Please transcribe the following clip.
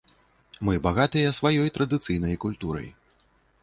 Мы багатыя сваёй традыцыйнай культурай.